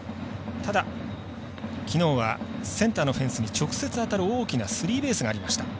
ただ、きのうはセンターのフェンスに直接当たる大きなスリーベースがありました。